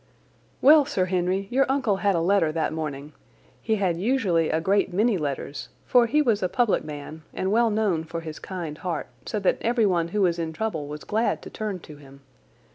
"Well, Sir Henry, your uncle had a letter that morning. He had usually a great many letters, for he was a public man and well known for his kind heart, so that everyone who was in trouble was glad to turn to him.